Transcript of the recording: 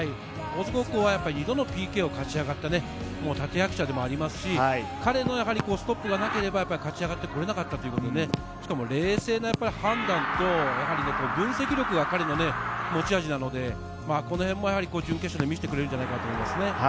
２度のＰＫを勝ち上がった立て役者でもありますし、彼のストップがなければ勝ち上がってこれなかったので、冷静な判断と分析力が彼の持ち味なので、この辺も準決勝で見せてくれるんじゃないかなと思います。